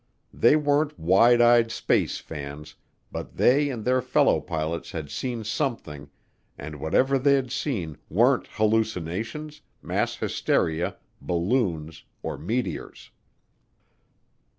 They weren't wide eyed space fans, but they and their fellow pilots had seen something and whatever they'd seen weren't hallucinations, mass hysteria, balloons, or meteors.